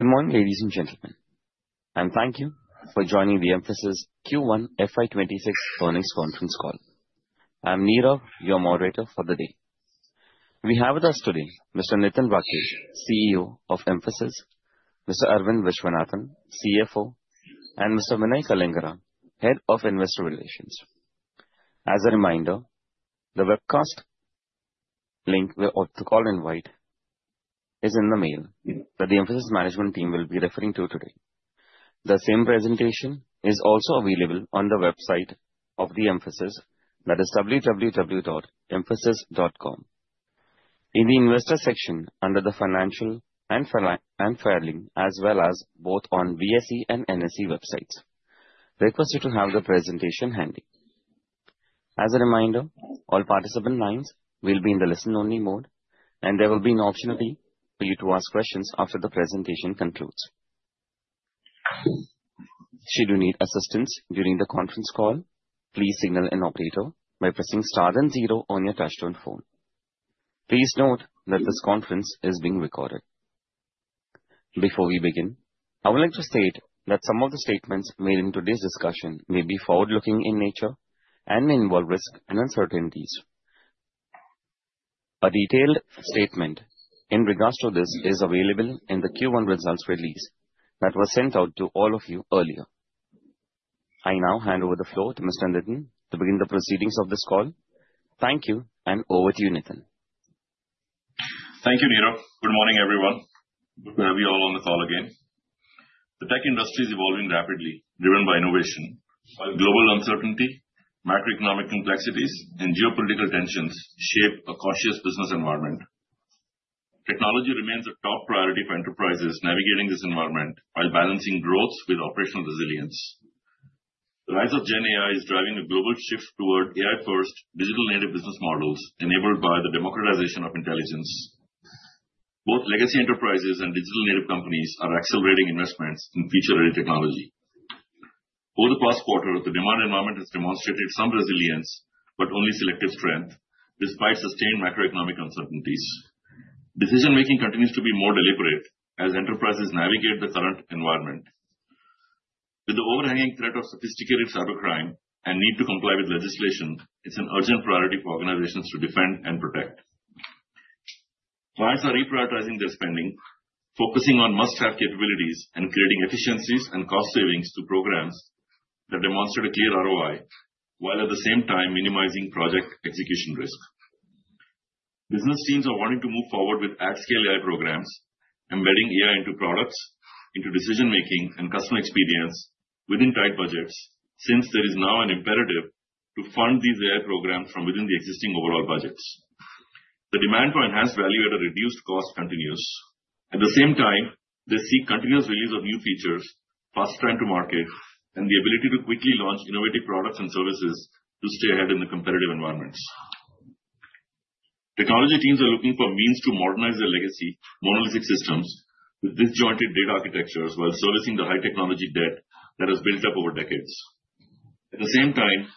Good morning ladies and gentlemen and thank you for joining the Mphasis Q1 FY 2026 earnings conference call. I am Nirav, your moderator for the day. We have with us today Mr. Nitin Rakesh, CEO of Mphasis Limited, Mr. Aravind Viswanathan, CFO, and Mr. Vinay Kalingara, Head of Investor Relations. As a reminder, the webcast link to join the call invite is in the mail that the Mphasis management team will be referring to today. The same presentation is also available on the website of Mphasis, i.e. www.mphasis.com in the investor section under Financial and Filing as well as both on BSE and NSE websites. Request you to have the presentation handy. As a reminder, all participant lines will be in the listen-only mode and there will be an option for you to ask questions after the presentation concludes. Should you need assistance during the conference call, please signal an operator by pressing star and zero on your touchtone phone. Please note that this conference is being recorded. Before we begin, I would like to state that some of the statements made in today's discussion may be forward-looking in nature and may involve risks and uncertainties. A detailed statement in regards to this is available in the Q1 results release that was sent out to all of you earlier. I now hand over the floor to Mr. Nitin to begin the proceedings of this call. Thank you and over to you Nitin. Thank you, Nirav. Good morning, everyone. Good to have you all on the call again. The tech industry is evolving rapidly, driven by innovation, while global uncertainty, macroeconomic complexities, and geopolitical tensions shape a cautious business environment. Technology remains a top priority for enterprises, navigating this environment while balancing growth with operational resilience. The rise of Gen AI is driving a global shift toward AI-first, digital native business models. Enabled by the democratization of intelligence, both legacy enterprises and digital native companies are accelerating investments in feature-ready technology. Over the past quarter, the demand environment has demonstrated some resilience but only selective strength. Despite sustained macroeconomic uncertainties, decision making continues to be more deliberate as enterprises navigate the current environment. With the overhanging threat of sophisticated cybercrime and need to comply with legislation, it's an urgent priority for organizations to defend and protect. Clients are reprioritizing their spending, focusing on must-have capabilities and creating efficiencies and cost savings to programs that demonstrate a clear ROI, while at the same time minimizing project execution risk. Business teams are wanting to move forward with at-scale AI programs, embedding AI into products, into decision making, and customer experience within tight budgets. Since there is now an imperative to fund these AI programs from within the existing overall budgets, the demand for enhanced value at a reduced cost continues. At the same time, they seek continuous release of new features, faster time to market, and the ability to quickly launch innovative products and services to stay ahead in the competitive environments. Technology teams are looking for means to modernize their legacy monolithic systems with disjointed data architectures while servicing the high technology debt that has built up over decades. At the same time,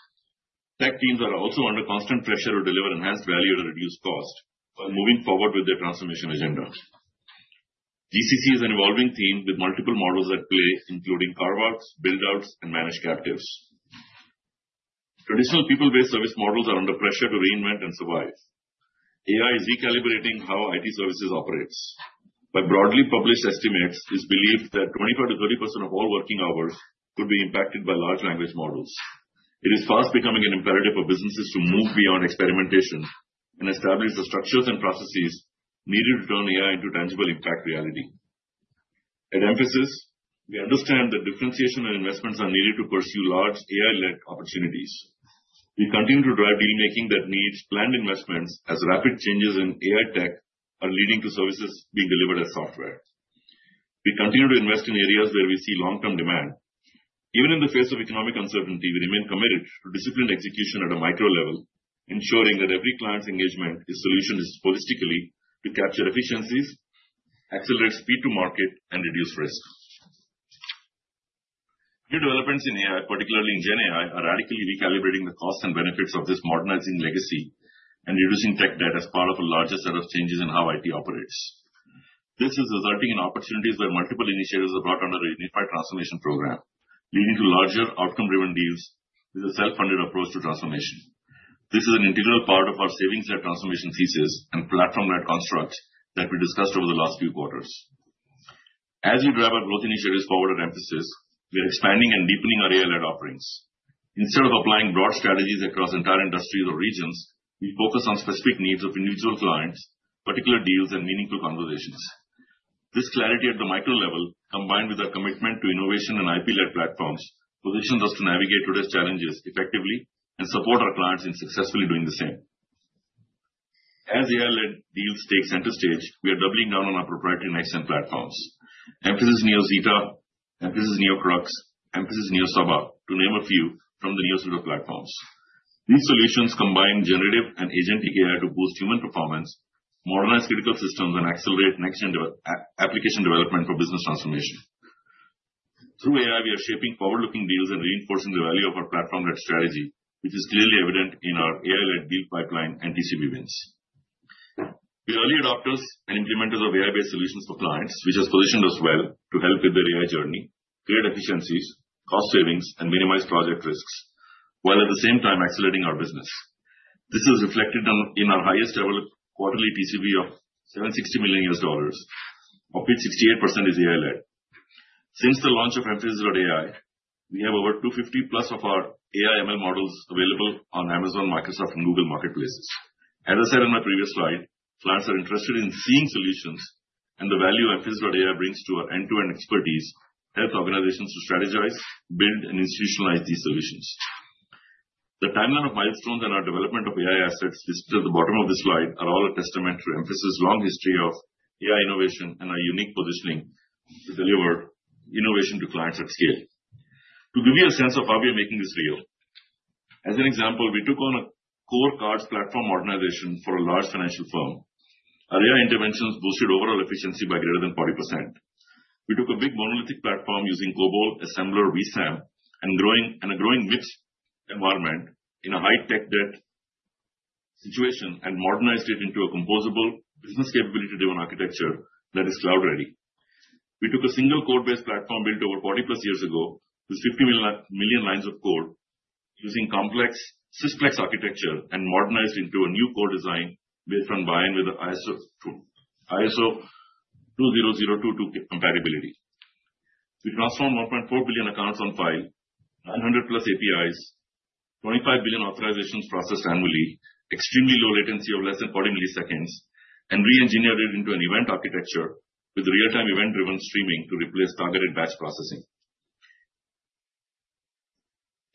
tech teams are also under constant pressure to deliver enhanced value at a reduced cost while moving forward with their transformation agenda. GCC is an evolving theme with multiple models at play, including carve-outs, build-outs, and managed captives. Traditional people-based service models are under pressure to reinvent and survive. AI is recalibrating how IT services operates. By broadly published estimates, it's believed that 25%-30% of all working hours could be impacted by large language models. It is fast becoming an imperative for businesses to move beyond experimentation and establish the structures and processes needed to turn AI into tangible impact reality. At Mphasis, we understand that differentiation and investments are needed to pursue large AI-led opportunities. We continue to drive deal making that needs planned investments as rapid changes in AI tech are leading to services being delivered as software. We continue to invest in areas where we see long-term demand even in the face of economic uncertainty. We remain committed to disciplined execution at a micro-level, ensuring that every client's engagement is solution is holistically to capture efficiencies, accelerate speed to market, and reduce risk. New developments in AI, particularly in Gen AI, are radically recalibrating the costs and benefits of this, modernizing legacy and reducing tech debt as part of a larger set of changes in how IT operates. This is resulting in opportunities where multiple initiatives are brought under a unified transformation program, leading to larger outcome-driven deals with a self-funded approach to transformation. This is an integral part of our savings-led transformation thesis and platform-led construct that we discussed over the last few quarters. As we drive our growth initiatives forward at Mphasis, we are expanding and deepening our AI-led offerings. Instead of applying broad strategies across entire industries or regions, we focus on specific needs of individual clients, particular deals, and meaningful conversations. This clarity at the micro-level, combined with our commitment to innovation and IP-led platforms, positions us to navigate today's challenges effectively and support our clients in successfully doing the same. As AI-led deals take center stage, we are doubling down on our proprietary next-gen platforms Mphasis NeoZeta, Mphasis NeoCrux, Mphasis NeoSaBa, to name a few from the Neo suite of platforms. These solutions combine generative and agent AI to boost human performance, modernize critical systems, and accelerate next-gen application development for business transformation. Through AI, we are shaping forward-looking deals and reinforcing the value of our platform-led strategy, which is clearly evident in our AI-led deal pipeline and TCV wins. We are early adopters and implementers of AI-led solutions for clients, which has positioned us well to help with their AI journey, create efficiencies, cost savings, and minimize project risks while at the same time accelerating our business. This is reflected in our highest developed quarterly TCV of $760 million, of which 68% is AI-led. Since the launch of Mphasis AI, we have over 250 plus of our AI/ML models available on Amazon, Microsoft, and Google Marketplaces. As I said in my previous slide, clients are interested in seeing solutions and the value Mphasis AI brings to our end-to-end expertise, which helps organizations to strategize, build, and institutionalize these solutions. The timeline of milestones and our development of AI assets listed at the bottom of the slide are all a testament to Mphasis' long history of AI innovation and our unique positioning to deliver innovation to clients at scale. To give you a sense of how we are making this, using this video as an example, we took on a core cards platform organization for a large financial firm. Our AI interventions boosted overall efficiency by greater than 40%. We took a big monolithic platform using COBOL, assembler, VSAM, and a growing mixed environment in a high tech debt situation and modernized it into a composable business capability-driven architecture that is cloud ready. We took a single code-based platform built over 40 plus years ago with 50 million lines of code using complex Sysplex architecture and modernized it into a new core design built on BIAN with ISO 20022 compatibility. We transformed 1.4 billion accounts on file, 900 CPIs, 25 billion authorizations processed annually, extremely low latency of less than 40 milliseconds, and re-engineered it into an event architecture with real-time event-driven streaming to replace targeted batch processing.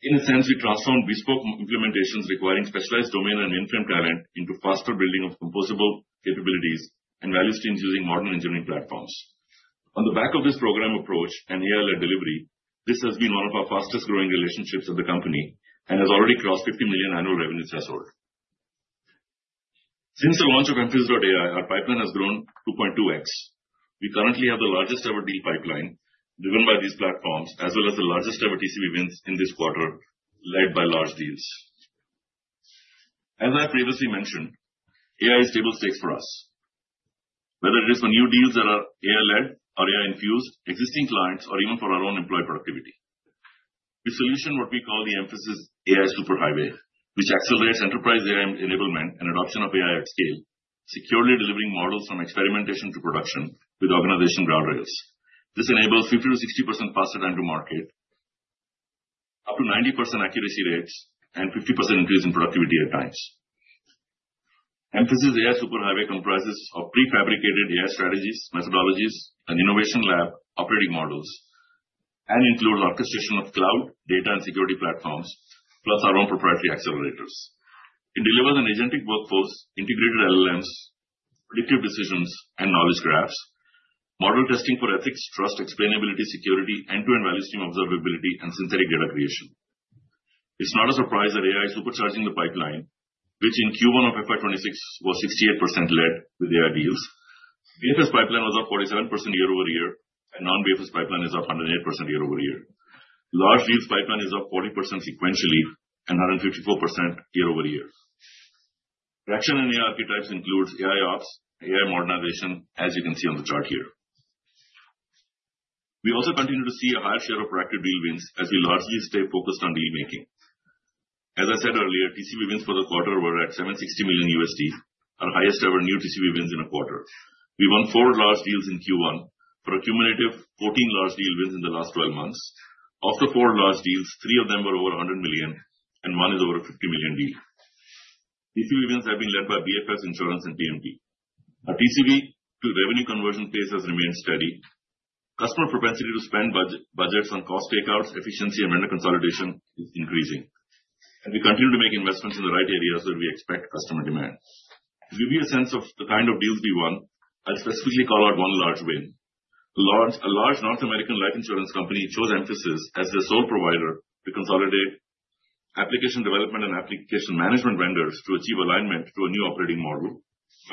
In a sense, we transformed bespoke implementations requiring specialized domain and in-prem talent into faster building of composable capabilities and value streams using modern engineering platforms. On the back of this program approach and AI delivery, this has been one of our fastest growing relationships at the company and has already crossed the $50 million annual revenue threshold. Since the launch of Mphasis AI, our pipeline has grown 2.2x. We currently have the largest ever deal pipeline driven by these platforms as well as the largest ever TCV wins in this quarter led by large deals. As I previously mentioned, AI is table stakes for us whether it is for new deals that are AI-led or AI-infused existing clients or even for our own employee productivity. We solution what we call the Mphasis AI Superhighway, which accelerates enterprise AI enablement and adoption of AI at scale, securely delivering models from experimentation to production with organization guardrails. This enables 50% to 60% faster time to market, up to 90% accuracy rates, and 50% increase in productivity at times. Mphasis AI Superhighway comprises prefabricated AI strategies, methodologies, and innovation lab operating models and includes orchestration of cloud, data, and security platforms plus our own proprietary accelerators. It delivers an agentic workforce, integrated LLMs, predictive decisions and knowledge graphs, model testing for ethics, trust, explainability, security, end-to-end value stream observability, and synthetic data creation. It's not a surprise that AI is supercharging the pipeline, which in Q1 of FY 2026 was 68% led with AI deals. BFS pipeline was up 47% year-over-year and non-BFS pipeline is up 108% year-over-year. Large deals pipeline is up 40% sequentially and 154% year-over-year. Traction in AI archetypes includes AIOps, AI modernization as you can see on the. Chart here. We also continue to see a higher share of proactive deal wins as we largely stay focused on deal making. As I said earlier, TCV wins for the quarter were at $760 million, our highest ever new TCV wins in a quarter. We won four large deals in Q1 for a cumulative 14 large deal wins in the last 12 months. Of the four large deals, three of them were over $100 million and one is over a $50 million deal. These few events have been led by BFS Insurance and TMT. Our TCV to revenue conversion pace has remained steady. Customer propensity to spend budgets on cost takeouts, efficiency, and vendor consolidation is increasing, and we continue to make investments in the right areas where we expect customer demand. To give you a sense of the kind of deals we won, I'll specifically call out one large win. A large North American life insurance company chose Mphasis as the sole provider to consolidate application development and application management vendors to achieve alignment to a new operating model,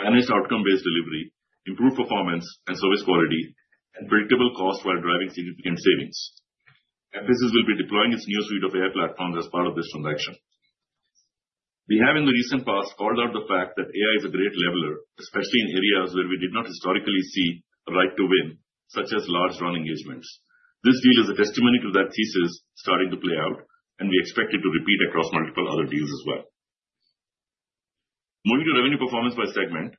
managed outcome-based delivery, improved performance and service quality, and predictable cost while driving significant savings. Mphasis will be deploying its new suite of AI platforms as part of this transaction. We have in the recent past called out the fact that AI is a great leveler, especially in areas where we did not historically see a right to win such as large run engagements. This deal is a testimony to that thesis starting to play out, and we expect it to repeat across multiple other deals as well. Moving to revenue performance by segment,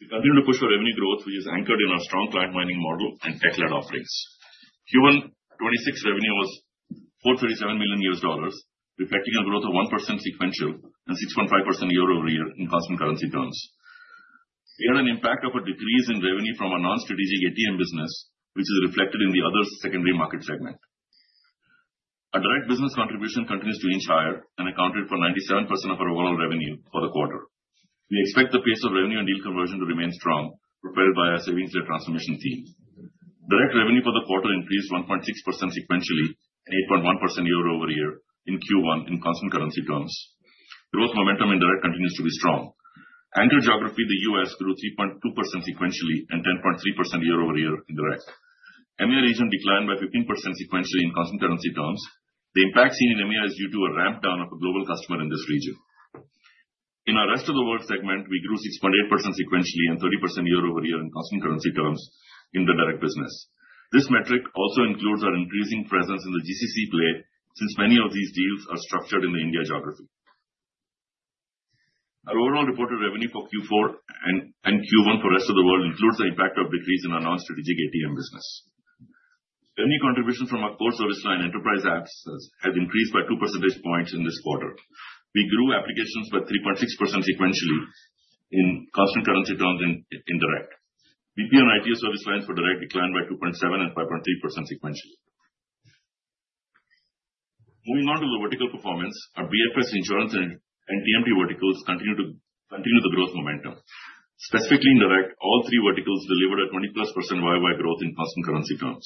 we continue to push for revenue growth which is anchored in our strong client mining model and tech-led offerings. Q1 2026 revenue was $437 million, reflecting a growth of 1% sequentially and 6.5% year-over-year in constant currency terms. We had an impact of a decrease in revenue from our non-strategic ATM business, which is reflected in the other secondary market segment. Our direct business contribution continues to inch higher and accounted for 97% of our overall revenue for the quarter. We expect the pace of revenue and deal conversion to remain strong, propelled by our savings-led transformation team. Direct revenue for the quarter increased 1.6% sequentially and 8.1% year-over-year in Q1 in constant currency terms. Growth momentum in the Rest of World continues to be strong. In our geography, the U.S. grew 3.2% sequentially and 10.3% year-over-year in direct. EMEA region declined by 15% sequentially in constant currency terms. The impact seen in EMEA is due to a ramp-down of a global customer in this region. In our Rest of World segment, we grew 6.8% sequentially and 30% year-over-year in constant currency terms in the direct business. This metric also includes our increasing presence in the GCC play since many of these deals are structured in the India geography. Our overall reported revenue for Q4 and Q1 for Rest of World includes the impact of decrease in our non-strategic ATM business. Earning contribution from our core service line enterprise apps has increased by 2 percentage points in this quarter. We grew applications by 3.6% sequentially in constant currency terms in direct. BPM and ITO service lines for direct declined by 2.7% and 5.3% sequentially. Moving on to the vertical performance, our BFS, insurance, and TMT verticals continue the growth momentum. Specifically in direct, all three verticals delivered a 20+% year-over-year growth in constant currency terms.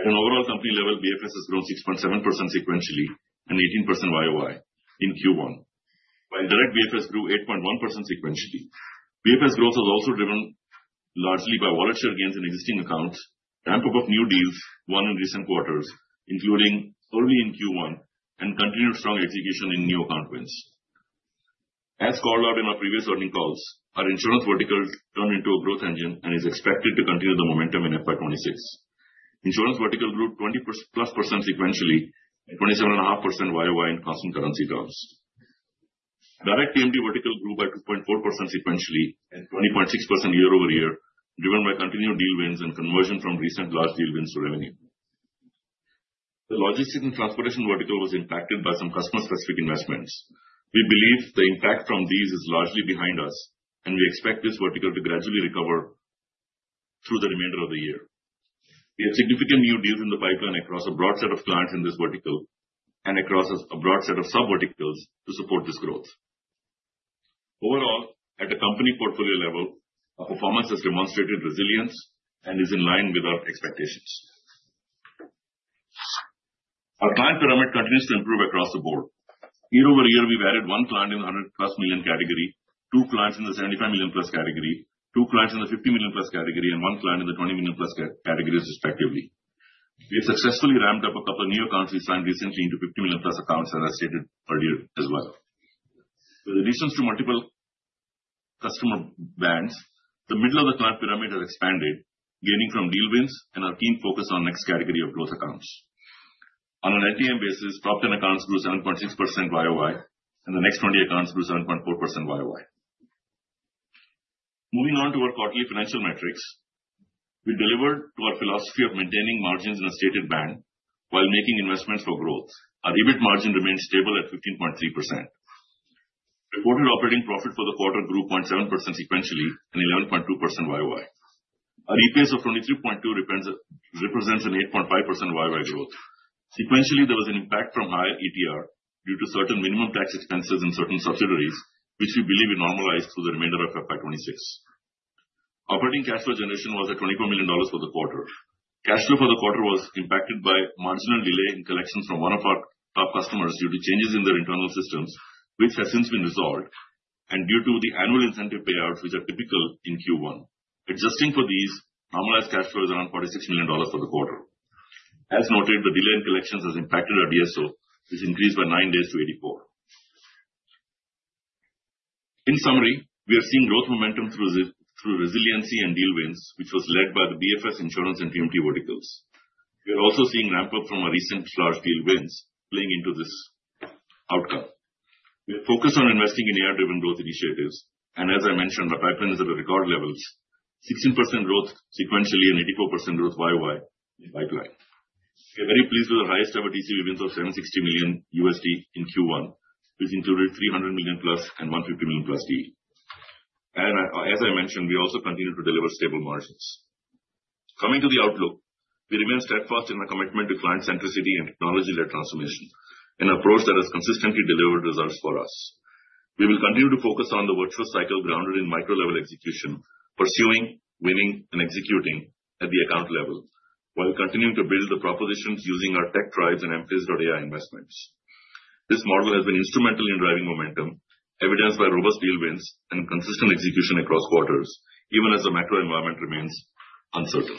At an overall company level, BFS has grown 6.7% sequentially year-over-year in Q1, while direct BFS grew 8.1% sequentially. BFS growth was also driven largely by wallet share gains in existing accounts, ramp-up of new deals won in recent quarters including early in Q1, and continued strong execution in new account wins. As called out in our previous earnings calls, our insurance vertical turned into a growth engine and is expected to continue the momentum. In FY 2026, insurance vertical grew 20+% sequentially and 27.5% year-over-year. In constant currency terms, direct TMT vertical grew by 2.4% sequentially and 20.6% year-over-year, driven by continued deal wins and conversion from recent large deal wins to revenue. The logistics and transportation vertical was impacted by some customer-specific investments. We believe the impact from these is largely behind us, and we expect this vertical to gradually recover through the remainder of the year. We have significant new deals in the pipeline across a broad set of clients in this vertical and across a broad set of sub-verticals to support this growth overall. At the company portfolio level, our performance has demonstrated resilience and is in line with our expectations. Our client pyramid continues to improve across the board year-over-year. We varied one client in the $100+ million category, two clients in the $75 million+ category, two clients in the $50 million+ category, and one client in the $20 million+ categories respectively. We have successfully ramped up a couple of new accounts. We signed recently into $50 million plus accounts as I stated earlier as well with additions to multiple customer bands. The middle of the client pyramid has expanded, gaining from deal wins and our keen focus on next category of growth accounts. On an LTM basis, top 10 accounts grew 7.6% ROI and the next 20 accounts grew 7.4% YoY. Moving on to our quarterly financial metrics, we delivered to our philosophy of maintaining margins in a stated band while making investments for growth. Our EBIT margin remained stable at 15.3%. Reported operating profit for the quarter grew 0.7% sequentially and 11.2% YoY. Our EPS of $23.2 represents an 8.5% YoY growth sequentially. There was an impact from higher ETR due to certain minimum tax expenses in certain subsidiaries which we believe we normalized through the remainder of FY 2026. Operating cash flow generation was at $24 million for the quarter. Cash flow for the quarter was impacted by marginal delay in collections from one of our top customers due to changes in their internal systems, which has since been resolved, and due to the annual incentive payouts which are typical in Q1. Adjusting for these, normalized cash flow is around $46 million for the quarter. As noted, the delay in collections has impacted our DSO. This increased by 9 days to 84. In summary, we are seeing growth momentum through resiliency and deal wins which was led by the BFS Insurance and TMT verticals. We are also seeing ramp up from our recent large deal wins. Playing into this outcome, we are focused on investing in AI-led growth initiatives and as I mentioned my pipeline is at record levels. 16% growth sequentially and 84% growth. Yeah, very pleased with the highest ever TCV wins of $760 million in Q1 which included $300 million plus and $150 million plus deal and as I mentioned we also continue to deliver stable margins. Coming to the outlook, we remain steadfast in our commitment to client centricity and technology-led transformation, an approach that has consistently delivered results for us. We will continue to focus on the virtuous cycle grounded in micro-level execution, pursuing winning and executing at the account level while continuing to build the propositions using our tech tribes and Mphasis AI investments. This model has been instrumental in driving momentum evidenced by robust deal wins and consistent execution across quarters even as the macro environment remains uncertain.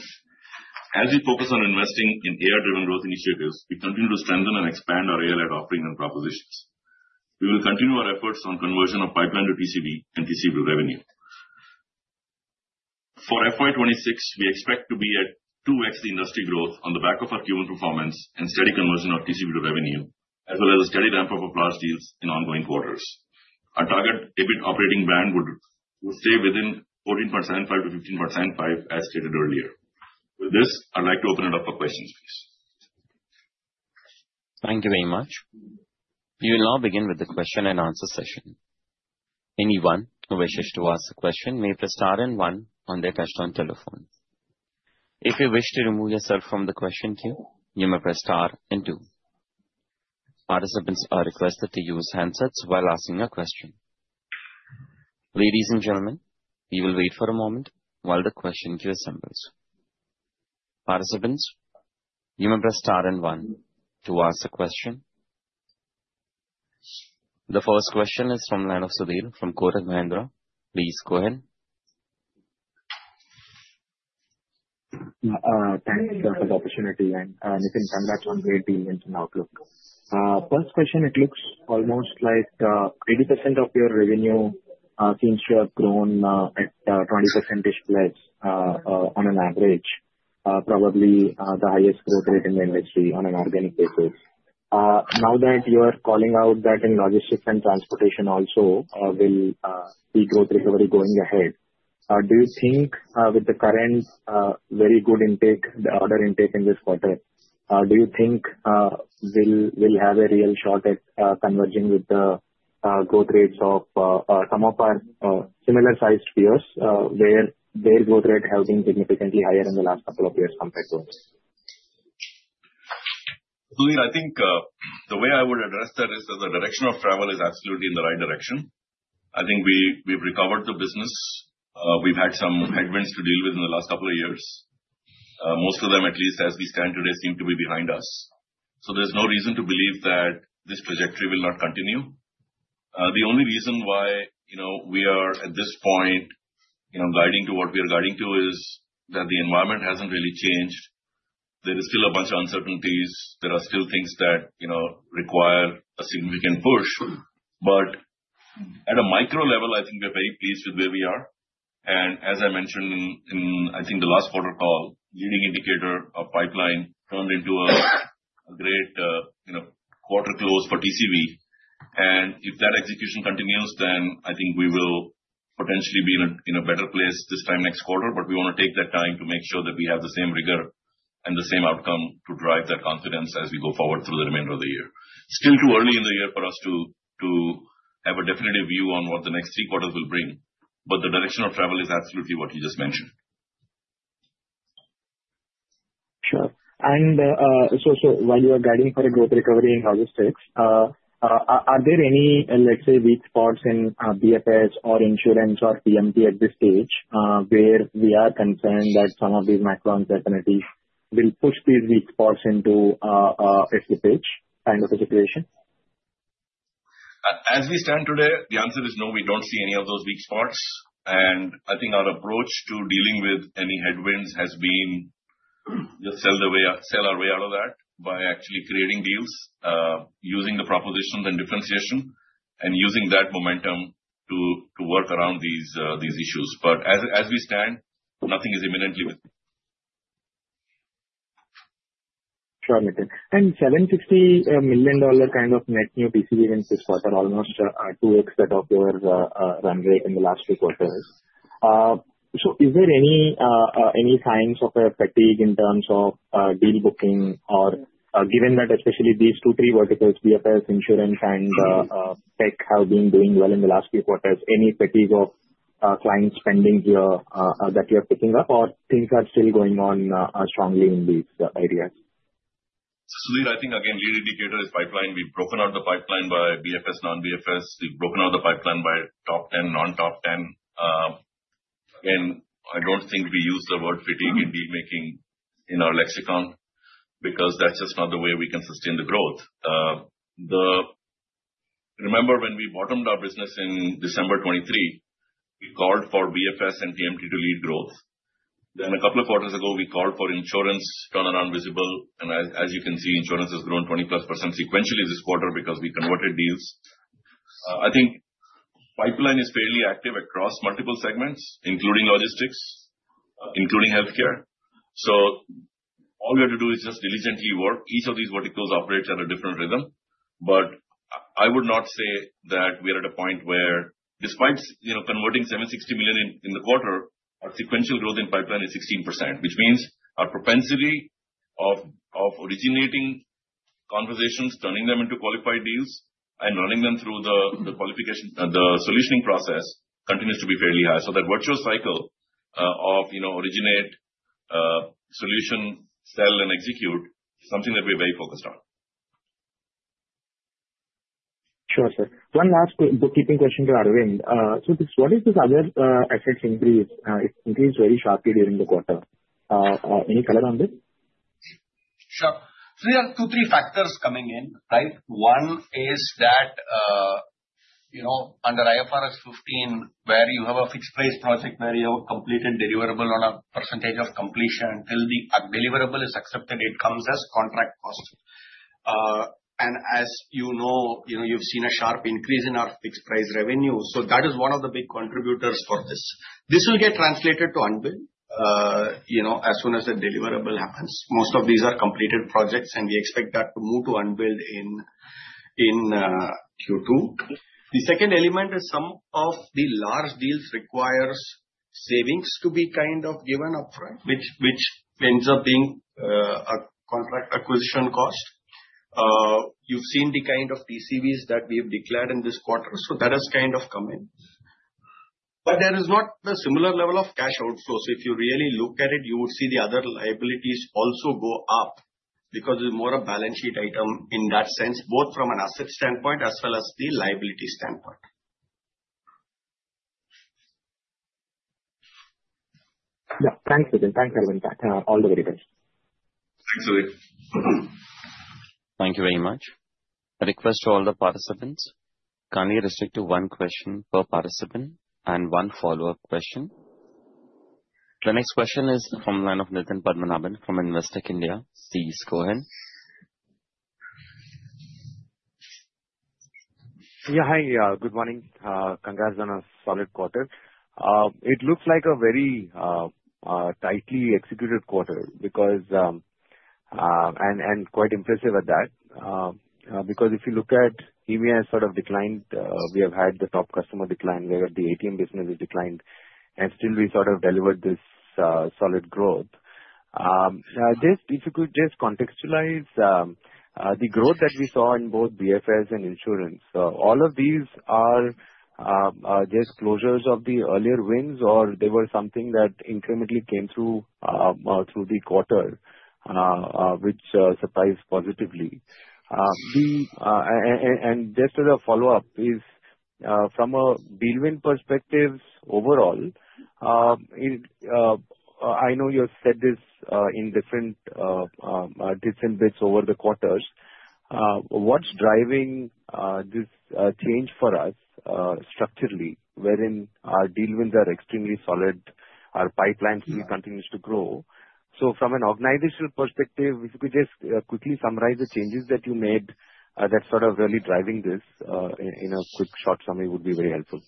As we focus on investing in AI-led growth initiatives, we continue to strengthen and expand our Airlight offering and propositions. We will continue our efforts on conversion of pipeline to TCV and TCV revenue for FY 2026. We expect to be at 2x the industry growth on the back of our Q1 performance and steady conversion of TCV to revenue as well as a steady ramp-up of large deals in ongoing quarters. Our target EBIT margin operating band would stay within 14.75% to 15.75% as stated earlier. With this, I'd like to open it up for questions, please. Thank you very much. We will now begin with the question and answer session. Anyone who wishes to ask a question may press star and one on their touchtone telephone. If you wish to remove yourself from the question queue, you may press star and two. Participants are requested to use handsets while asking a question. Ladies and gentlemen, we will wait for a moment while the question queue assembles participants. You may press star and onw to ask the question. The first question is from the line of Sudheer from Kotak Mahindra. Please go ahead. Thanks for the opportunity and Nitin. Congrats on great dealings and outlook. First question, it looks almost like 80% of your revenue seems to have grown at 20% less on an average, probably the highest growth rate in the industry on an organic basis. Now that you are calling out that in logistics and transportation also will be growth recovery going ahead, do you think with the current very good intake, the order intake in this quarter, do you think we'll have a real shot at converging with the growth rates of some of our similar sized peers where their growth rate has been significantly higher in the last couple of years compared to. I think the way I would address that is that the direction of travel is absolutely in the right direction. I think we've recovered the business. We've had some headwinds to deal with in the last couple of years. Most of them, at least as we stand today, seem to be behind us. There's no reason to believe that this trajectory will not continue. The only reason why we are at this point guiding to what we are guiding to is that the environment hasn't really changed. There is still a bunch of uncertainties. There are still things that require a significant push. At a micro level, I think we're very pleased with where we are, and as I mentioned in, I think, the last quarter call, leading indicator of pipeline turned into a great quarter close for TCV, and if that execution continues, then I think we will potentially be in a better place this time next quarter. We want to take that time to make sure that we have the same rigor and the same outcome to drive that confidence as we go forward through the remainder of the year. Still too early in the year for us to have a definitive view on what the next three quarters will bring. The direction of travel is absolutely what you just mentioned. Sure. While you are guiding for a growth recovery in logistics, are there any, let's say, weak spots in BFS or insurance or BPM at this stage where we are concerned that some of these micro definitely will push these weak spots into a slippage kind of situation. As we stand today, the answer is no, we don't see any of those weak spots. I think our approach to dealing with any headwinds has been sell our way out of that by actually creating deals using the propositions and differentiation, and using that momentum to work around these issues. As we stand, nothing is imminently missing. Sure, Nitin, and $760 million kind of net new TCV variance this quarter, almost 2x that of your run rate in the last two quarters. Is there any signs of a fatigue in terms of deal booking, or given that especially these two, three verticals, BFS, Insurance, and Tech have been doing well in the last few quarters, any fatigue of client spending here that you're picking up, or things are still going on strongly in these areas? Sudheer, I think again lead indicator is pipeline. We've broken out the pipeline by BFS, non-BFS. We've broken out the pipeline by top 10, non-top 10, and I don't think we use the word fatigue in deal making in our lexicon because that's just not the way we can sustain the growth. Remember when we bottomed our business in December 2023, we called for BFS and TMT to lead growth. A couple of quarters ago we called for insurance turnaround visible, and as you can see, Insurance has grown 20% plus sequentially this quarter because we converted deals. I think pipeline is fairly active across multiple segments, including logistics, including healthcare. All we have to do is just diligently work. Each of these verticals operates at a different rhythm. I would not say that we are at a point where, despite converting $760 million in the quarter, our sequential growth in pipeline is 16%, which means our propensity of originating conversations, turning them into qualified deals, and running them through the qualification, the solutioning process continues to be fairly high. That virtual cycle of originate, solution, sell, and execute is something that we're very focused on. Sure, sir. One last bookkeeping question to Aravind. What is this other assets increase? It increased very sharply during the quarter. Any color on this? Sure. There are two, three factors coming in, right. One is that under IFRS 15 where you have a fixed-price project where you have completed deliverable on a percentage of completion till the deliverable is accepted, it comes as contract cost. As you know, you've seen a sharp increase in our fixed-price revenue. That is one of the big contributors for this. This will get translated to unbilled as soon as the deliverable happens. Most of these are completed projects and we expect that to move to unbilled in Q2. The second element is some of the large deals require savings to be kind of given up front, which ends up being a contract acquisition cost. You've seen the kind of PCBs that we have declared in this quarter. That has kind of come in, but there is not the similar level of cash outflow. If you really look at it. You would see the other liabilities also go up because it is more a balance sheet item in that sense, both from an asset standpoint as well as the liability standpoint. Yeah, thanks. Thanks everyone. All the very details. Thanks. Thank you very much. A request to all the participants. Kindly restrict to one question per participant and one follow up question. The next question is from the line of Nitin Padmanabhan from Investec India. Please go ahead. Good morning. Congrats on a solid quarter. It looks like a very tightly executed quarter, and quite impressive at that because if you look at EMEA, it has sort of declined. We have had the top customer decline where the ATM business has declined, and still we sort of delivered this solid growth. If you could just contextualize the growth that we saw in both BFS and insurance. All of these are disclosures of the earlier wins, or they were something that incrementally came through the quarter which surprised positively, and just as a follow up is from a deal win perspectives. Overall. I know you said this in different bits over the quarters. What's driving this change for us structurally, wherein our deal wins are extremely solid, our pipeline continues to grow. From an organizational perspective, if you could just quickly summarize the changes that you made that's sort of really driving this in a quick short summary, it would be very helpful.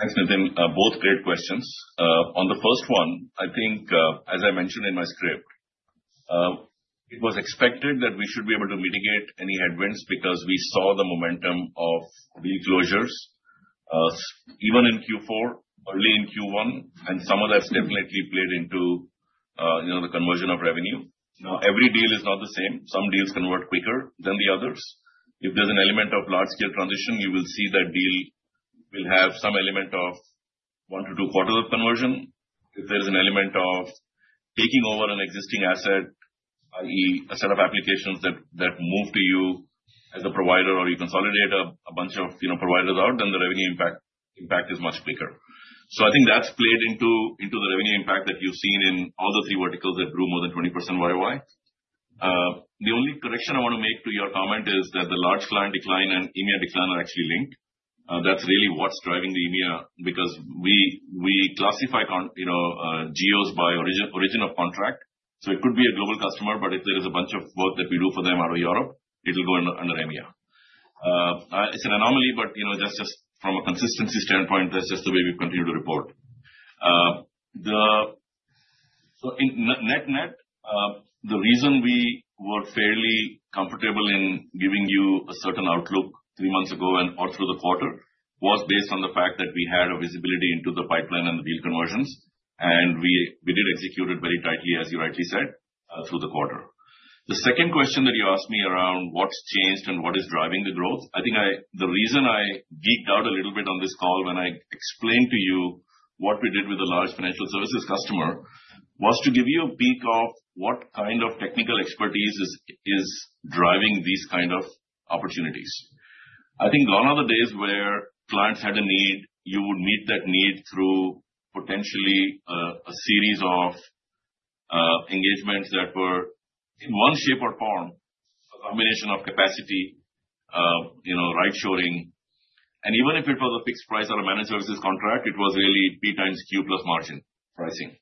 Thanks Nitin. Both great questions. On the first one, I think as I mentioned in my script, it was expected that we should be able to mitigate any headwinds because we saw the momentum of deal closures even in Q4, early in Q1, and some of that's definitely played into the conversion of revenue. Now every deal is not the same. Some deals convert quicker than the others. If there's an element of large scale transition, you will see that deal will have some element of one to two quarters of conversion. If there is an element of taking over an existing asset that is a set of applications that move to you as a provider or you consolidate a bunch of providers out, then the revenue impact is much quicker. I think that's played into the revenue impact that you've seen in all the three verticals that grew more than 20% ROI. The only correction I want to make to your comment is that the large client decline and EMEA decline are actually linked. That's really what's driving the EMEA because we classify GEOs by origin of contract, so it could be a global customer, but if there is a bunch of work that we do for them out of Europe, it'll go under EMEA. It's an anomaly, but that's just from a consistency standpoint. That's just the way we've continued to report. Net net, the reason we were fairly comfortable in giving you a certain outlook three months ago and all through the quarter was based on the fact that we had a visibility into the pipeline and the deal conversions and we did execute it very tightly, as you rightly said, through the quarter. The second question that you asked me around what's changed and what is driving the growth, I think the reason I geeked out a little bit on this call when I explained to you what we did with the large financial services customer was to give you a peek of what kind of technical expertise is driving these kind of opportunities. I think gone are the days where clients had a need, you would meet that need through potentially a series of engagements that were in one shape or form a combination of capacity, ride shoring, and even if it was a fixed-price or a managed services contract, it was really P x Q + margin pricing.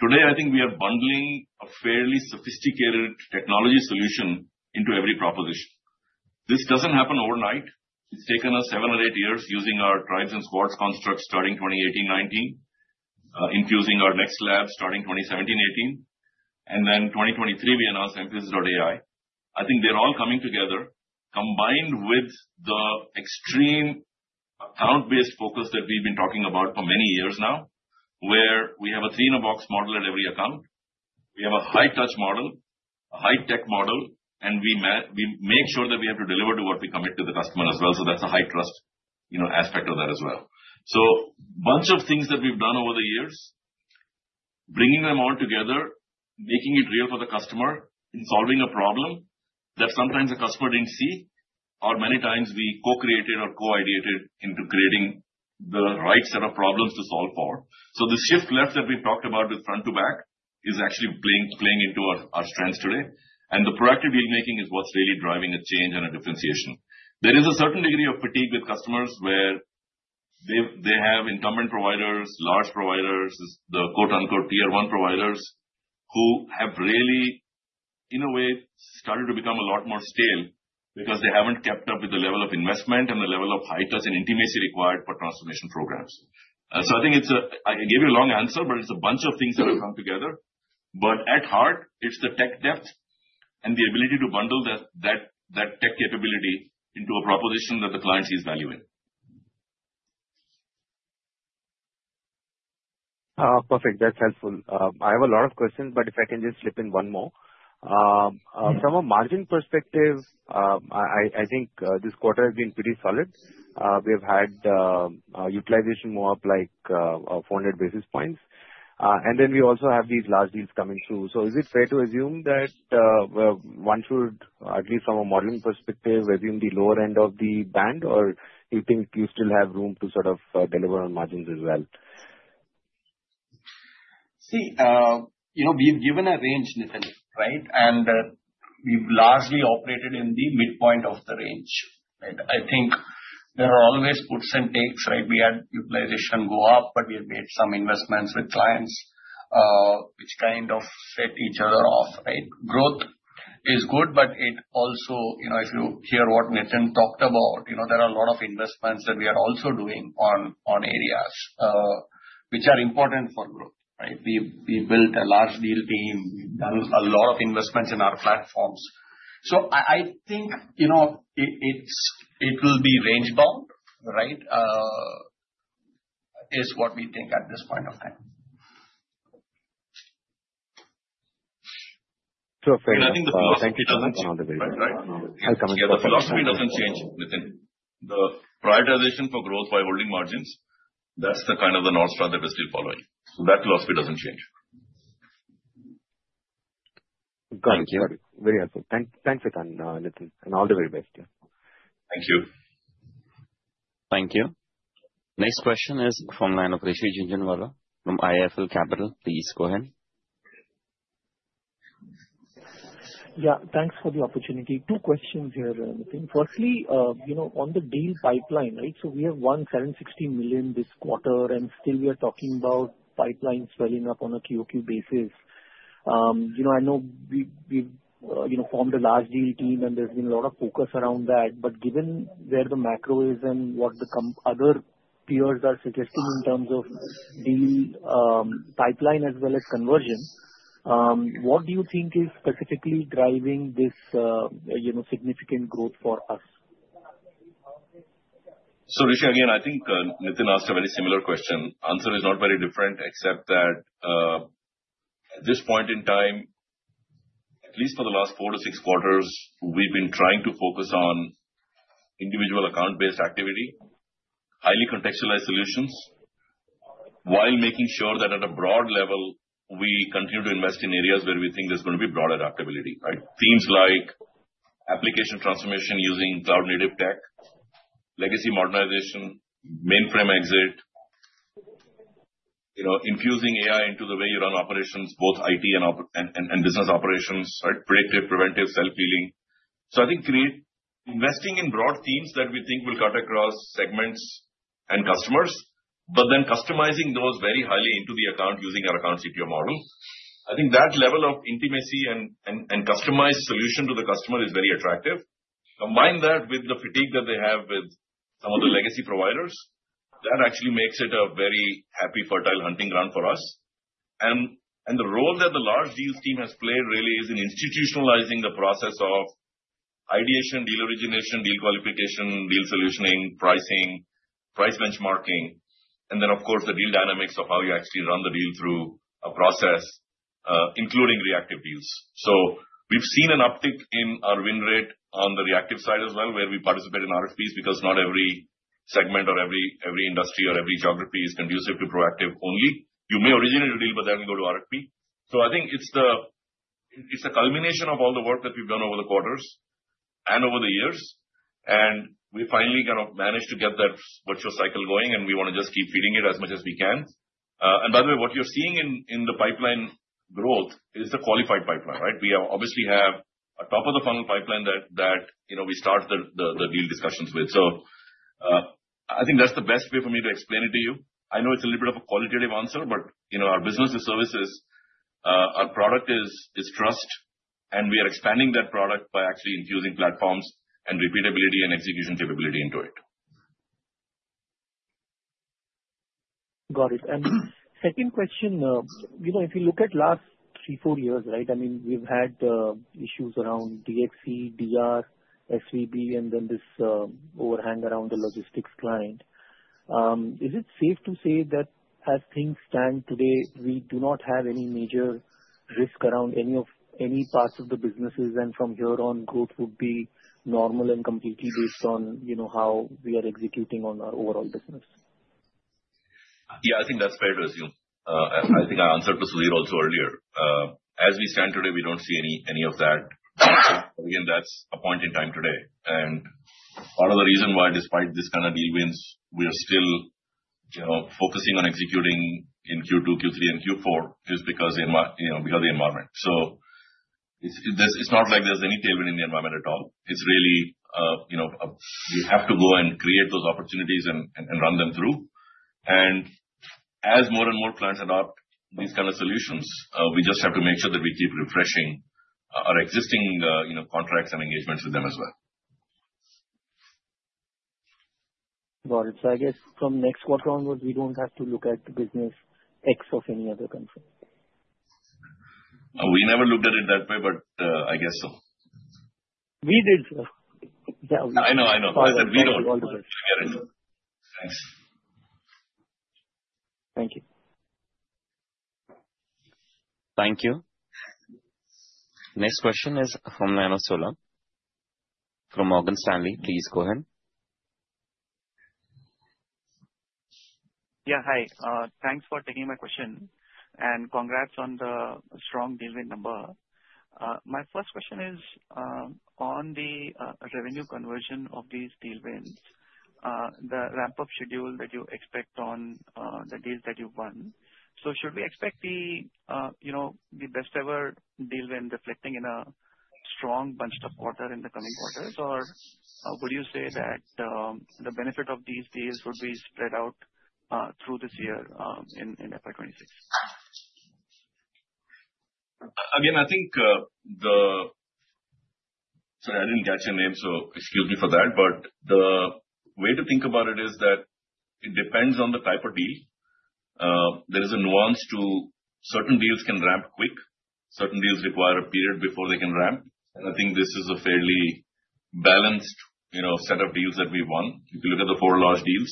Today, I think we are bundling a fairly sophisticated technology solution into every proposition. This doesn't happen overnight. It's taken us seven or eight years using our tribes and squads construct starting 2018, 2019, infusing our Next Lab starting 2017-18, and then 2023 we announced Mphasis AI. I think they're all coming together, combined with the extreme account-based focus that we've been talking about for many years now, where we have a three-in-a-box model at every account. We have a high-touch model, a high-tech model, and we make sure that we have to deliver to what we commit to the customer as well. That's a high-trust aspect of that as well. A bunch of things that we've done over the years, bringing them all together, making it real for the customer in solving a problem that sometimes a customer didn't see, or many times we co-created or co-ideated into creating the right set of problems to solve for. The shift left that we talked about with front to back is actually playing into our strengths today, and the productive deal making is what's really driving a change and a differentiation. There is a certain degree of fatigue with customers where they have incumbent providers, large providers, the quote unquote tier one providers, who have really in a way started to become a lot more stale because they haven't kept up with the level of investment and the level of high touch and intimacy required for transformation programs. I gave you a long answer, but it's a bunch of things that have come together. At heart, it's the tech depth and the ability to bundle that tech capability into a proposition that the client sees valuing. Perfect, that's helpful. I have a lot of questions, but if I can just slip in one more from a margin perspective, I think this quarter has been pretty solid. We have had utilization more up like 400 basis points, and then we also have these large deals coming through. Is it fair to assume that one should, at least from a modeling perspective, assume the lower end of the band, or do you think you still have room to sort of deliver on margins as well? See, we've given a range, Nitin. Right. We've largely operated in the midpoint of the range. I think there are always puts and takes. Right. We had utilization go up, but we have made some investments with clients, which kind of set each other off. Growth is good, but it also, if you hear what Nitin talked about, there are a lot of investments that we are also doing on areas which are important for growth. Right. We built a large deal team, done a lot of investments in our platforms. I think, you know, it will be range bound. Right. Is what we think at this point of time. The philosophy doesn't change within the prioritization for growth by holding margins. That's kind of the North Star that we're still following. That philosophy doesn't change. Thank you, very helpful. Thanks. Thanks, and all the very best. Thank you. Thank you. Next question is from the line of Rishi Jhunjhunwala from IIFL Capital. Please go ahead. Yeah, thanks for the opportunity. Two questions here. Firstly, you know on the deal pipeline, right? We have $1,760 million this quarter and still we are talking about pipelines well enough on a QQ basis. I know we formed a large deal team and there's been a lot of focus around that. Given where the macro is and what the other peers are suggesting in terms of deal pipeline as well as conversion, what do you think is specifically driving this significant growth for. Rishi, again, I think Nitin asked a very similar question. The answer is not very different except that at this point in time, at least for the last four to six quarters, we've been trying to focus on individual account-based activity, highly contextualized solutions while making sure that at a broad level we continue to invest in areas where we think there's going to be broad adaptability, themes like application transformation using cloud, native tech, legacy modernization, mainframe exit, infusing AI into the way you run operations, both IT and business operations, predictive, preventive, self-healing. I think investing in broad themes that we think will cut across segments and customers, but then customizing those very highly into the account using our account CTO model, that level of intimacy and customized solution to the customer is very attractive. Combine that with the fatigue that they have with some of the legacy providers, that actually makes it a very happy, fertile hunting ground for us. The role that the large deals team has played really is in institutionalizing the process of ideation, deal origination, deal qualification, deal solutioning, pricing, price benchmarking, and then of course the deal dynamics of how you actually run the deal through a process including reactive deals. We've seen an uptick in our win rate on the reactive side as well where we participate in RFPs. Not every segment or every industry or every geography is conducive to proactive only. You may originate a deal but then go to RFP. I think it's the culmination of all the work that we've done over the quarters and over the years and we finally kind of managed to get that virtual cycle going and we want to just keep feeding it as much as we can. By the way, what you're seeing in the pipeline growth is the qualified pipeline, right? We obviously have a top of the funnel pipeline that we start the deal discussions with. I think that's the best way for me to explain it to you. I know it's a little bit of a qualitative answer, but our business services, our product is trust and we are expanding that product by actually infusing platforms and repeatability and execution capability into it. Got it. Second question, if you look at last three, four years, right, I mean we've had issues around DXC, DR, SVB, and then this overhang around the logistics client. Is it safe to say that as things stand today, we do not have any major risk around any parts of the businesses and from here on growth would be normal and completely based on how we are executing on our overall business? Yeah, I think that's fair to assume. I think I answered to Sudheer also earlier. As we stand today, we don't see any of that. Again, that's a point in time today, and part of the reason why, despite this kind of deal wins, we are still focusing on executing in Q2, Q3, and Q4 is because of the environment. It's not like there's any tailwind in the environment at all. We have to go and create those opportunities and run them through. As more and more clients adopt these kind of solutions, we just have to make sure that we keep refreshing our existing contracts and engagements with them as well. I guess from next quarter onwards we don't have to look at business X of any other concern. We never looked at it that way. We did so. I know, I know. Thank you. Thank you. Next question is from Neha Gaddam from Morgan Stanley. Please go ahead. Yeah, hi. Thanks for taking my question and congrats on the strong deal win number. My first question is on the revenue conversion of these deal wins, the ramp up schedule that you expect on the deals that you won. Should we expect the best ever deal win reflecting in a strong bunched up quarter in the coming quarters, or would you say that the benefit of these deals would be spread out through this year in FY 2026? Again, I think the—sorry, I didn't catch your name, so excuse me for that. The way to think about it is that it depends on the type of deal. There is a nuance to certain deals; some can ramp quick, certain deals require a period before they can ramp, and I think this is a fairly balanced set of deals that we won. If you look at the four large deals,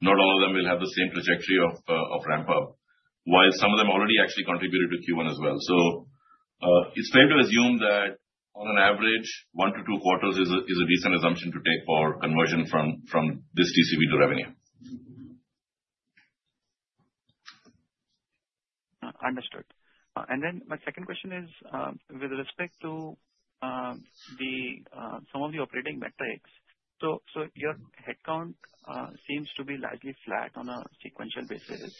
not all of them will have the same trajectory of ramp up, while some of them already actually contributed to Q1 as well. It's fair to assume that on an average, 1-2 quarter is a decent assumption to take for conversion from this TCV to revenue. Understood. My second question is with respect to some of the operating metrics. Your headcount seems to be largely flat on a sequential basis,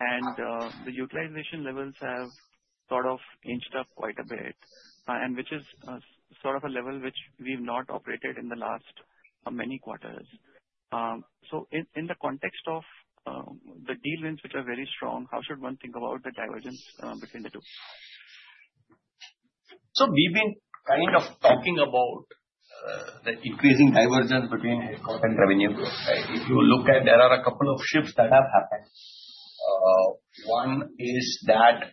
and the utilization levels have inched up quite a bit, which is a level we've not operated in the last many quarters. In the context of the deal wins, which are very strong, how should one think about the divergence between the two? We have been kind of talking about the increasing divergence between airport and revenue growth. If you look at it, there are a couple of shifts that have happened. One is that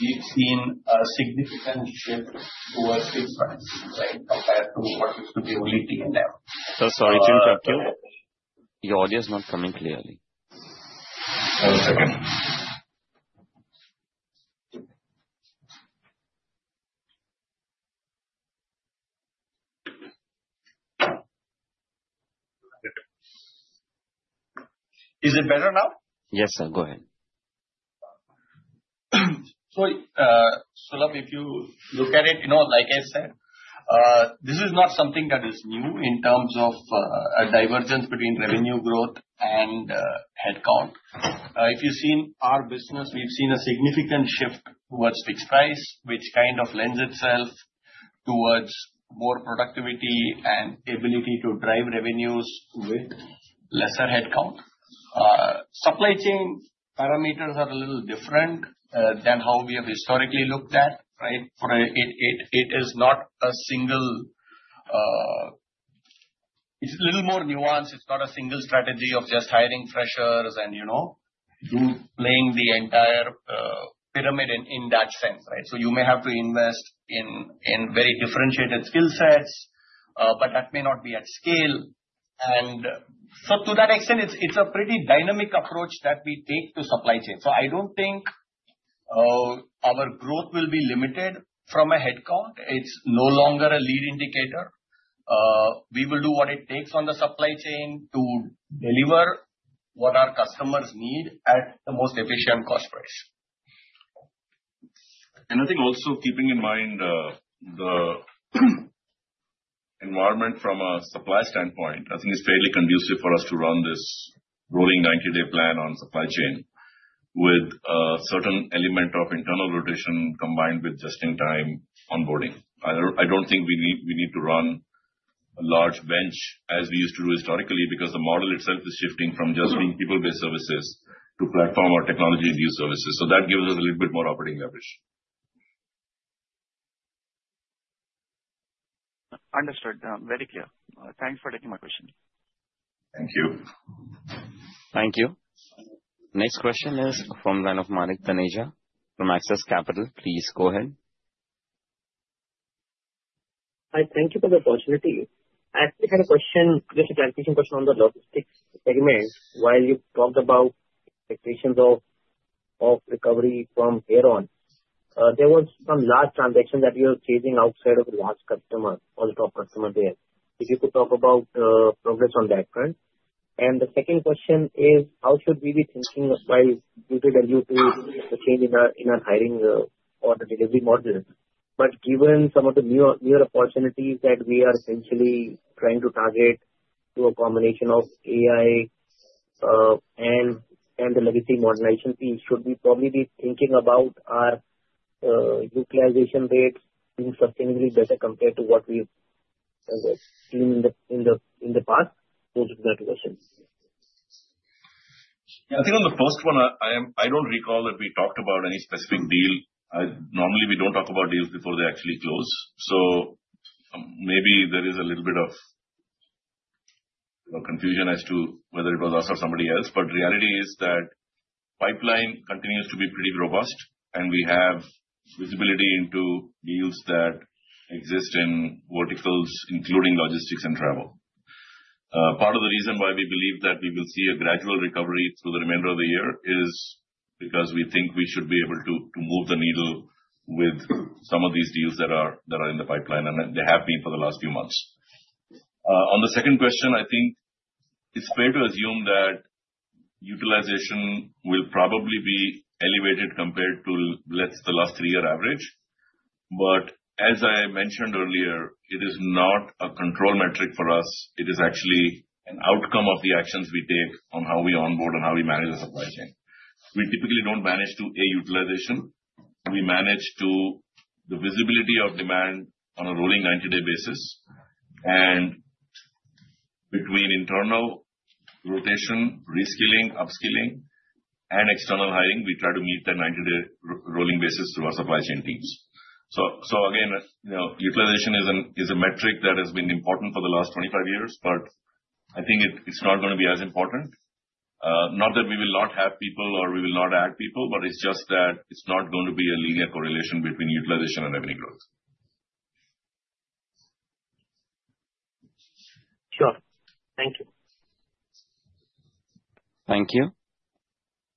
we've seen a significant shift towards fixed-price compared to what used to be only T&M. It's interruptive. Your audio is not coming clearly. Is it better now? Yes, sir. Go ahead. If you look at it, like I said, this is not something that is new in terms of a divergence between revenue growth and headcount. If you've seen our business, we've seen a significant shift towards fixed-price, which kind of lends itself towards more productivity and ability to drive revenues with lesser headcount. Supply chain parameters are a little different than how we have historically looked at it. It's a little more nuanced. It's not a single strategy of just hiring freshers and, you know, playing the entire pyramid in that sense. Right. You may have to invest in very differentiated skill sets, but that may not be at scale. To that extent, it's a pretty dynamic approach that we take to supply chain. I don't think our growth will be limited from a headcount. It's no longer a lead indicator. We will do what it takes on the supply chain to deliver what our customers need at the most efficient cost price. I think also keeping in mind the environment from a supply standpoint, I think it's fairly conducive for us to run this rolling 90-day plan on supply chain with a certain element of internal rotation combined with just-in-time onboarding. I don't think we need to run a large bench as we used to do historically because the model itself is shifting from just being people-based services to platform or technology new services. That gives us a little bit more operating leverage. Understood. Very clear. Thanks for taking my question. Thank you. Thank you. Next question is from the line of Manik Taneja from Axis Capital. Please go ahead. Hi. Thank you for the opportunity. I actually had a question, just a transition question on the logistics segment. While you talked about expectations of recovery from here on, there was some large transaction that you are facing outside of a large customer for the top customer there. If you could talk about progress on that front. The second question is how should we be thinking while due to the change in our hiring or delivery model, but given some of the newer opportunities that we are essentially trying to target to a combination of AI and the legacy modernization piece, should we probably be thinking about our utilization rates being sustainably better compared to what we've seen in the past? I think on the first one I don't recall that we talked about any specific deal. Normally we don't talk about deals before they actually close. Maybe there is a little bit of confusion as to whether it was us or somebody else. The reality is that pipeline continues to be pretty robust and we have visibility into deals that exist in verticals including logistics and travel. Part of the reason why we believe that we will see a gradual recovery through the remainder of the year is because we think we should be able to move the needle with some of these deals that are in the pipeline and they have been for the last few months. On the second question, I think it's fair to assume that utilization will probably be elevated compared to, let's say, the last three-year average. As I mentioned earlier, it is not a control metric for us. It is actually an outcome of the actions we take on how we onboard and how we manage the supply chain. We typically don't manage to a utilization, we manage to the visibility of demand on a rolling 90-day basis and between internal rotation, reskilling, upskilling, and external hiring. We try to meet the 90-day rolling basis through our supply chain teams. Utilization is a metric that has been important for the last 25 years but I think it's not going to be as important. Not that we will not have people or we will not add people, but it's just that it's not going to be a linear correlation between utilization and revenue growth. Sure. Thank you. Thank you.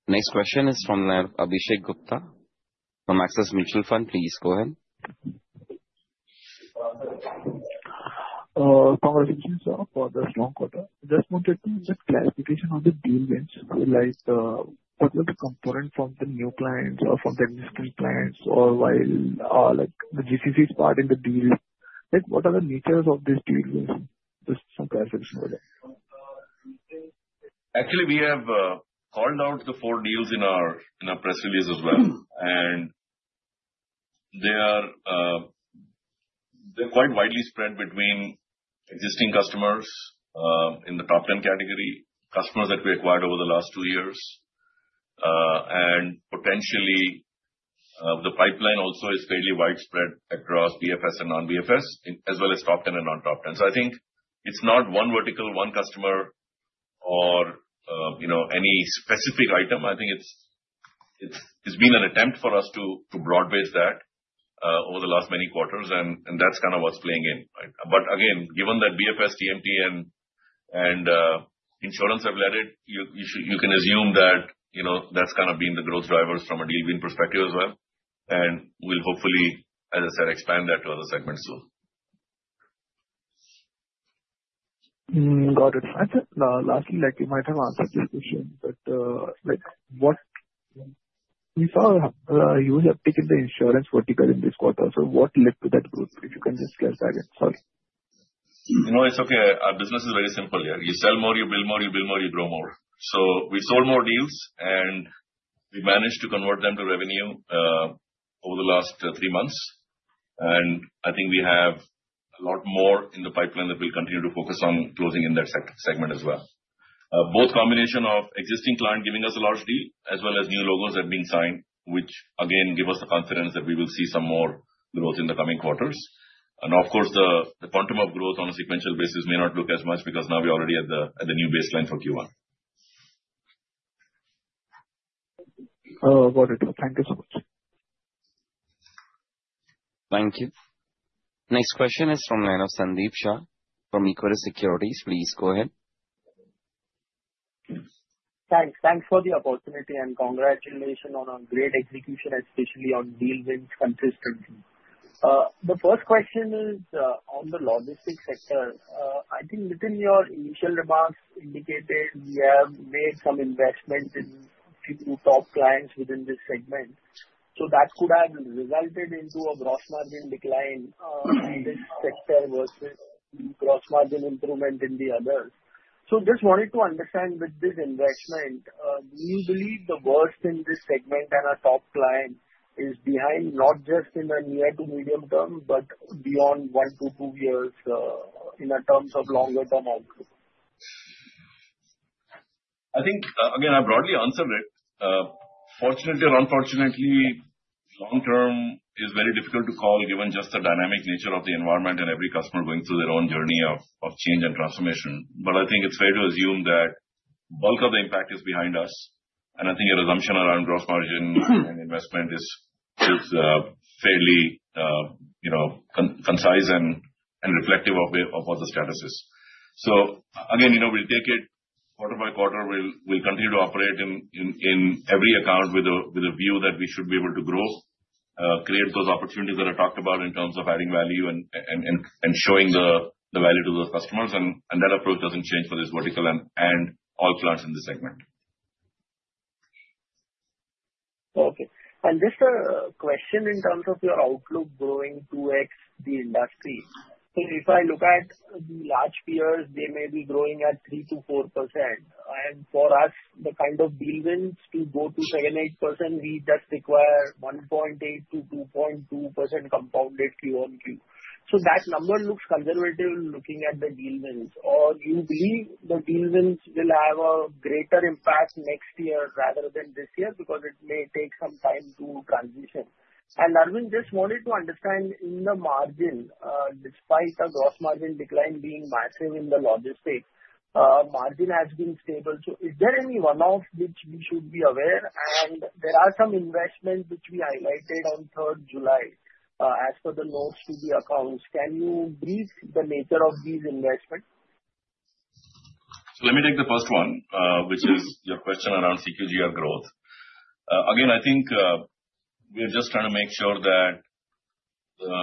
Next question is from Abhishek Gupta from Axis Mutual Fund. Please go ahead. Congratulations for the strong quarter. Just wanted clarification on the deal gains. Like what were the components from the new clients or from the existing clients or while like the global capability center part in the deal. What are the natures of this deal? Actually, we have called out the four deals in our press release as well, and they are quite widely spread between existing customers in the top 10 category, customers that we acquired over the last two years, and potentially the pipeline also is fairly widespread across BFS and non-BFS as well as top 10 and non-top 10. I think it's not one vertical, one customer, or any specific item. I think it's been an attempt for us to broad base that over the last many quarters, and that's kind of what's playing in. Given that BFS, TMT, and insurance have led it, you can assume that that's kind of been the growth drivers from a deal being perspective as well, and we'll hopefully, as I said, expand that to other segments soon. Got it. Lastly, you might have answered this question, but what we saw was a huge uptick in the insurance vertical in this quarter. What led to that group? If you can just clarify it. Sorry, it's okay. Our business is very simple here. You sell more, you build more, you build more, you grow more. We sold more deals and we managed to convert them to revenue over the last three months. I think we have a lot more in the pipeline that we'll continue to focus on closing in that segment as well, both combination of existing clients giving us a large deal as well as new logos that are being signed, which again give us the confidence that we will see some more growth in the coming quarters. Of course, the quantum of growth on a sequential basis may not look as much because now we are already at the new baseline for Q1. Thank you so much. Thank you. Next question is from the line of Sandeep Shah from Equirus Securities. Please go ahead. Thanks. Thanks for the opportunity. Congratulations on a great execution, especially on deal wins consistently. The first question is on the logistics. I think within your initial remarks, you indicated we have made some investment in a few top clients within this segment. That could have resulted in a gross margin decline in this sector versus gross margin improvement in the others. I just wanted to understand, with this investment, do you believe the worst in this segment and our top client is behind, not just in the near to medium term, but beyond one to two years in terms of longer term outlook? I think again I broadly answered it. Fortunately or unfortunately, long term is very difficult to call given just the dynamic nature of the environment and every customer going through their own journey of change and transformation. I think it's fair to assume that bulk of the impact is behind us. I think a resumption around gross margin and investment is fairly concise and reflective of what the status is. We'll take it quarter by quarter. We'll continue to operate in every account with a view that we should be able to grow, create those opportunities that are talked about in terms of adding value and showing the value to those customers. That approach doesn't change for this vertical and all plants in this segment. Okay. Just a question in terms of your outlook growing 2x the industry. If I look at the large peers, they may be growing at 3% to 4% and for us the kind of deal wins to go to 7, 8% we just require 1.8%-2.2% compounded Q on Q. That number looks conservative looking at the deal wins or you believe the deal wins will have a greater impact next year rather than this year because it may take some time to transition. Aravind, just wanted to understand in the margin, despite a gross margin decline being massive in the logistics, margin has been stable. Is there any one-off which we should be aware of? There are some investments which we highlighted on the 3rd of July. As per the notes to the accounts, can you brief the nature of these investments? Let me take the first one, which is your question around CQGR growth. I think we're just trying to make sure that the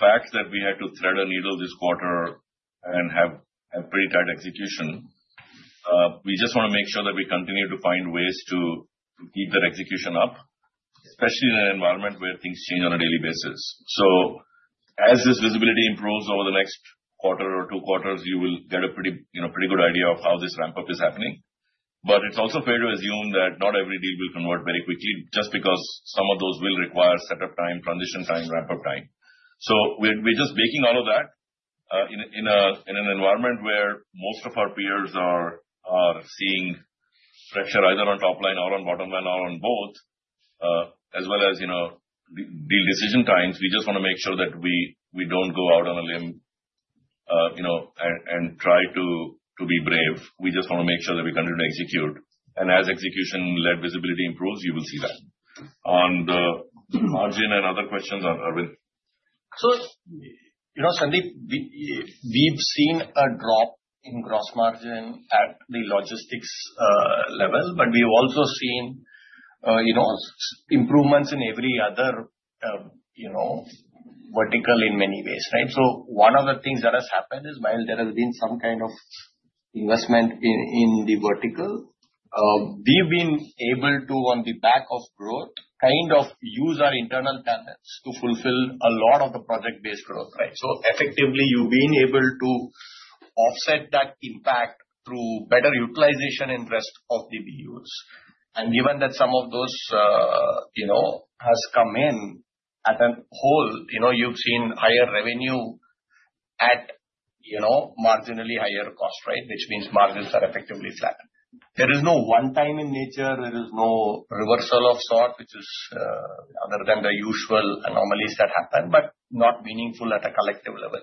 fact that we had to thread a needle this quarter and have pretty tight execution, we just want to make sure that we continue to find ways to keep that execution up, especially in an environment where things change on a daily basis. As this visibility improves over the next quarter or two quarters, you will get a pretty good idea of how this ramp up is happening. It's also fair to assume that not every deal will convert very quickly just because some of those will require setup time, transition time, ramp up time. We're just baking all of that in an environment where most of our peers are seeing pressure either on top line or on bottom line or on both, as well as, you know, the decision times. We just want to make sure that we don't go out on a limb, you know, and try to be brave. We just want to make sure that we continue to execute, and as execution-led visibility improves, you will see that on the Arjun and other questions. Aravind. You know, Sandeep, we've seen a drop in gross margin at the logistics level, but we've also seen improvements in every other vertical in many ways. Right. One of the things that has happened is while there has been some kind of investment in the vertical, we've been able to, on the back of growth, use our internal talents to fulfill a lot of the project-based growth. Right. You have been able to offset that impact through better utilization in the interest of the business. Given that some of those have come in at a halt, you've seen higher revenue at marginally higher cost, which means margins are effectively flat. There is no one-time in nature. There is no reversal of sort, which is other than the usual anomalies that happen but not meaningful at a collective level.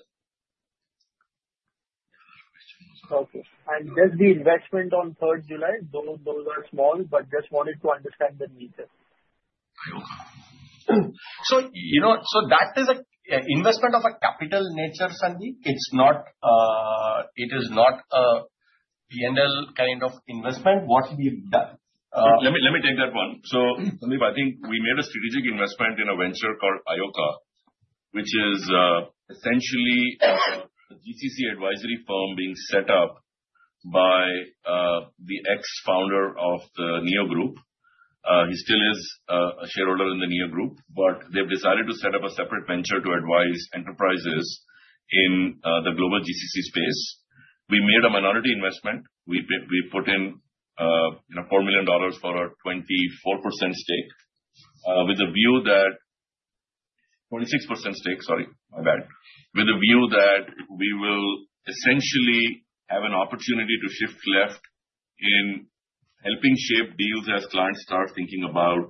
Okay. Just the investment on July 3, those are small, but just wanted to understand the details. That is an investment of a capital nature, Sandeep. It is not a P&L kind of investment. What we've done. Let me take that one. Sandeep, I think we made a strategic investment in a venture called IOKA, which is essentially a GCC advisory firm being set up by the ex-founder of the NEO Group. He still is a shareholder in the NEO Group, but they've decided to set up a separate venture to advise enterprises in the global GCC space. We made a minority investment. We put in $4 million for our 24% stake with a view that—26% stake, sorry, my bad—with a view that we will essentially have an opportunity to shift left in helping shape deals as clients start thinking about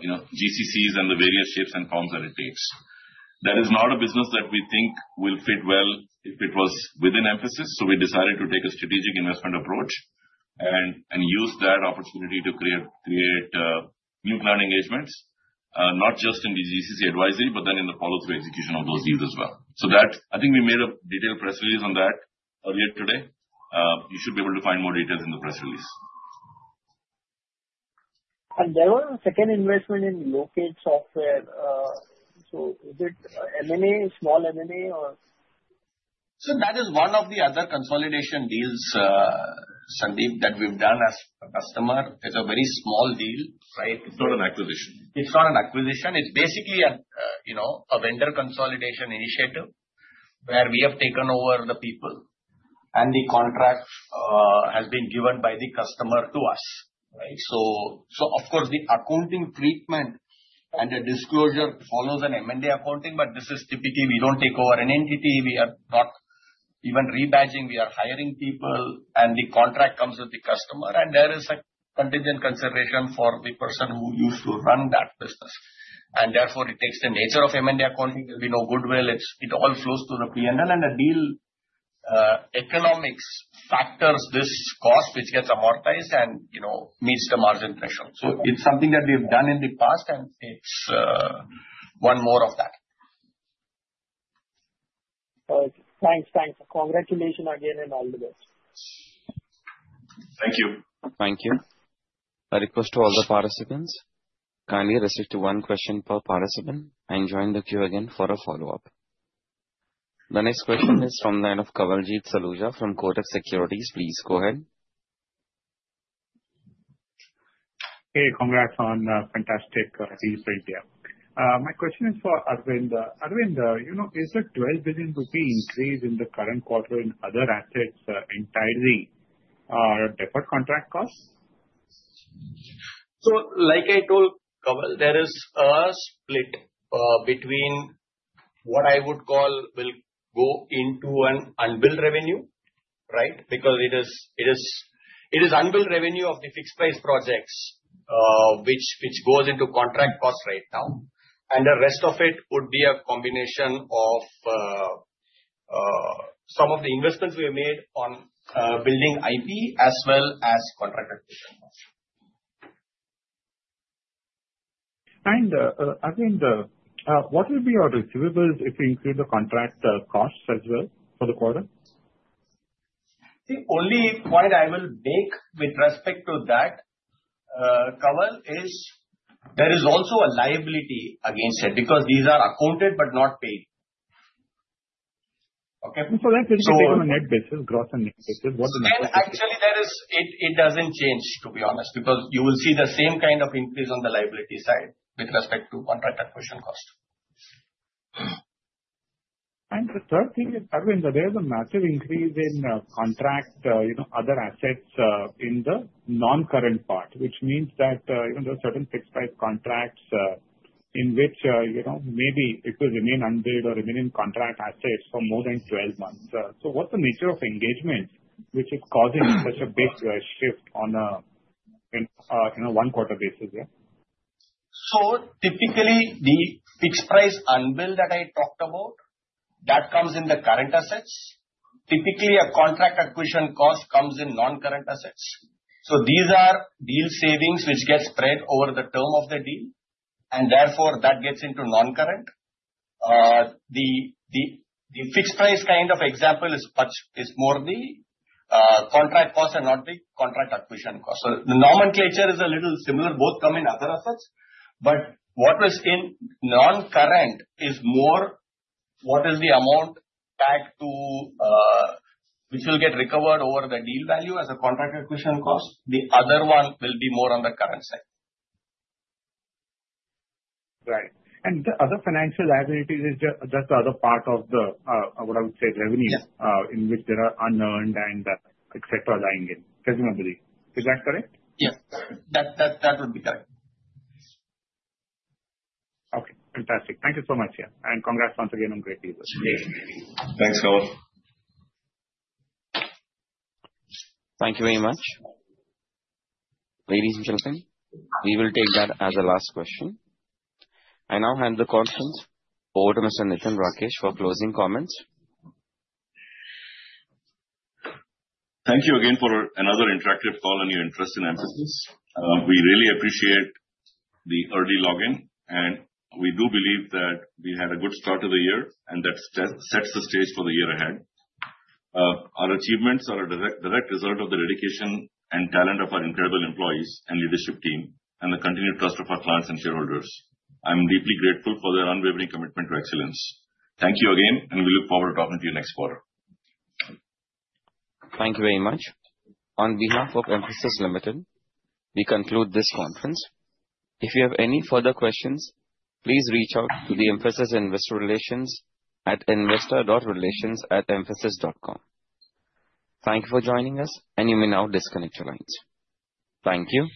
GCCs and the various shapes and forms that it takes. That is not a business that we think will fit well if it was within Mphasis. We decided to take a strategic investment approach and use that opportunity to create new plan engagements not just in the GCC advisory, but then in the follow-through execution of those deals as well. I think we made a detailed press release on that earlier today. You should be able to find more details in the press release. There was a second investment in Locate Software. Is it M&A, small M&A, or? That is one of the other consolidation deals, Sandeep, that we've done as a customer. It's a very small deal, right? It's not an acquisition. It's not an acquisition. It's basically a vendor consolidation initiative where we have taken over the people, and the contract has been given by the customer to us. Right. Of course, the accounting treatment and the disclosure follows an M&A accounting. This is typically we don't take over an entity. We are not even rebadging, we are hiring people and the contract comes with the customer and there is a contingent consideration for the person who used to run that business. Therefore, it takes the nature of M&A accounting. There will be no goodwill. It all flows through the P&L and the deal economics factors this cost which gets amortized and meets the margin threshold. It's something that we've done in the past and it's one more of that. Thanks, thanks, congratulations again and all the best. Thank you. Thank you. I request all the participants, kindly restrict to one question per participant and join the queue again for a follow-up. The next question is from the line of Kawaljeet Saluja from Kotak Securities. Please go ahead. Hey, congrats on fantastic deals right here. My question is for Aravind. Aravind, you know, is a 12 billion rupee increase in the current quarter in other assets, entirely deferred contract cost. Like I told Kaval, there is a split between what I would call will go into an unbilled revenue, right? Because it is unbilled revenue of the fixed-price projects which goes into contract cost right now. The rest of it would be a combination of some of the investments we have made on building IP as well as contracted cost. What will be your receivables if you include the contract costs as well for the quarter? The only point I will make with respect to that cover is there is also a liability against it, because these are accounted but not paid. Okay, on a gross and net basis. Actually, there is. It. It doesn't change, to be honest, because you will see the same kind of increase on the liability side with respect to contract acquisition cost. The third thing is, Aravind, there is a massive increase in contract other assets in the non-current part, which means that there are certain fixed-price contracts in which maybe it will remain unbilled or remain in contract assets for. More than 12 months. What is the nature of engagements which is causing such a big shift on a quarter basis? Typically, the fixed-price unbill that I talked about comes in the current assets. Typically, a contract acquisition cost comes in non-current assets. These are deal savings which get spread over the term of the deal and therefore that gets into non-current. The fixed-price kind of example is more the contract cost and not the contract acquisition cost. The nomenclature is a little similar. Both come in other assets, but what is in non-current is more what is the amount back to which will get recovered over the deal value as a contract acquisition cost. The other one will be more on the current side. Right. The other financial liabilities is just the other part of what I would say revenue in which there are unearned, et cetera, lying in presumably. Is that correct? Yes, that would be correct. Okay, fantastic. Thank you so much and congrats once again on great leaders. Thanks so. Thank you very much, ladies and gentlemen. We will take that as the last question. I now hand the consent over to Mr. Nitin Rakesh for closing comments. Thank you again for another interactive call on your interest in Mphasis. We really appreciate the early login, and we do believe that we had a good start to the year and that sets the stage for the year ahead. Our achievements are a direct result of the dedication and talent of our incredible employees and leadership team, and the continued trust of our clients and shareholders. I'm deeply grateful for their unwavering commitment to excellence. Thank you again, and we look forward to talking to you next quarter. Thank you very much. On behalf of Mphasis Limited, we conclude this conference. If you have any further questions, please reach out to the Mphasis Investor Relations at investor.relations@mphasis.com. Thank you for joining us and you may now disconnect your lines. Thank you.